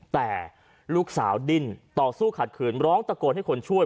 แต่ลูกสาวดิ้นต่อสู้ขัดขืนร้องตะโกนให้คนช่วย